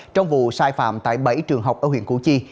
trong vụ sai phạm tại bảy trường học ở huyện củ chi